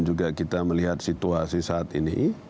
juga kita melihat situasi saat ini